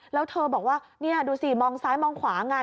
แล้วเธอบอกว่านี่ดูสิมองซ้ายมองขวาไง